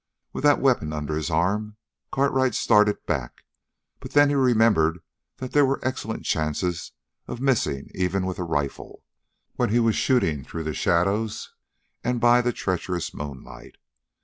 With that weapon under his arm, Cartwright started back, but then he remembered that there were excellent chances of missing even with a rifle, when he was shooting through the shadows and by the treacherous moonlight.